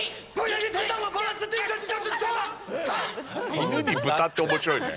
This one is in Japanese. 犬にブタって面白いね。